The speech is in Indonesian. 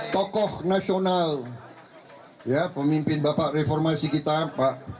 tokoh nasional pemimpin bapak reformasi kita pak